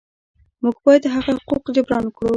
موږ باید هغه حقوق جبران کړو.